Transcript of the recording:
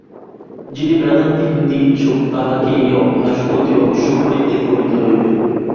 যিনি বেদান্তী হইতে ইচ্ছুক, তাঁহাকে এই অভ্যাস অতি অবশ্যই পরিত্যাগ করিতে হইবে।